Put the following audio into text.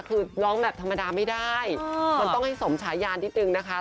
คือร้องแบบธรรมดาไม่ได้มันต้องให้สมฉายานนิดนึงนะคะ